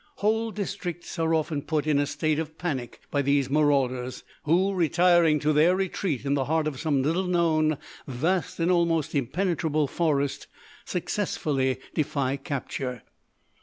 Whole districts are often put in a state of panic by these marauders, who, retiring to their retreat in the heart of some little known, vast, and almost impenetrable forest, successfully defy capture.